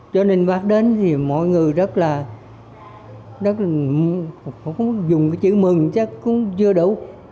cho nên bác đến thì mọi người rất là cũng dùng cái chữ mừng chắc cũng chưa đủ